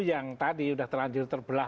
yang tadi sudah terlanjur terbelah